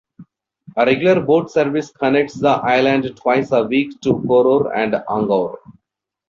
A regular boat service connects the island twice a week to Koror and Angaur.